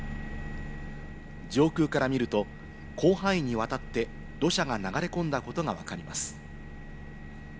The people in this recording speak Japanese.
上空から見ると、広範囲にわたって土砂が流れ込んだことがわかります。